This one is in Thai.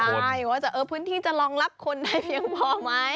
ใช่ว่าพื้นที่จะรองรับคนได้เพียงพอไหม